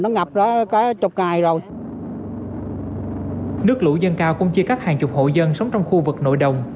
nước lũ dân cao cũng chia cắt hàng chục hộ dân sống trong khu vực nội đồng